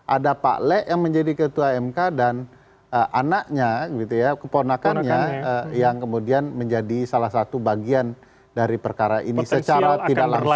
ada pak lek yang menjadi ketua mk dan anaknya gitu ya keponakannya yang kemudian menjadi salah satu bagian dari perkara ini secara tidak langsung